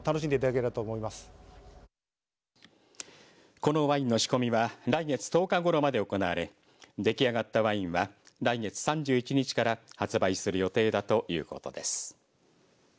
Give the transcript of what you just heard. このワインの仕込みは来月１０日ごろまで行われ出来上がったワインは来月３１日から発売する予定だということです。